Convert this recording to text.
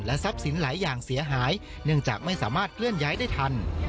ทรัพย์สินหลายอย่างเสียหายเนื่องจากไม่สามารถเคลื่อนย้ายได้ทัน